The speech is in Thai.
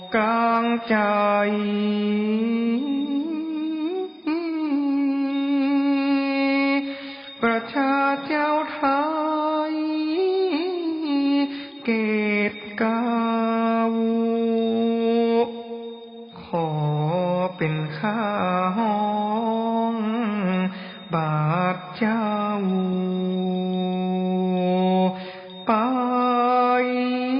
กลางใจประชาเจ้าไทยเกรดกาวขอเป็นค่าห้องบาทเจ้าไป